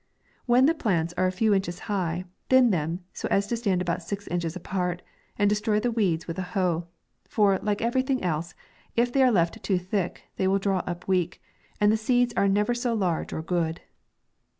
When the plants are a few inches high, thin them so as to stand about six inches apart, and destroy the weeds with a hoe ; for, like every thing else, if they are left too thick, they draw up weak, and the seeds are never so large or good.